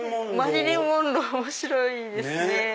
マリリン・モンロー面白いですね。